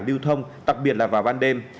đưu thông tặc biệt là vào ban đêm